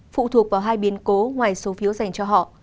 phụ thuộc vào hai biến cố ngoài số phiếu dành cho họ